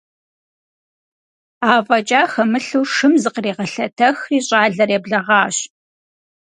АфӀэкӀа хэмылъу шым зыкъригъэлъэтэхри, щӀалэр еблэгъащ.